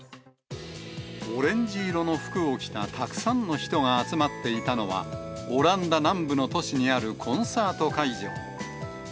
オレンジ色の服を着たたくさんの人が集まっていたのは、オランダ南部の都市にあるコンサート会場。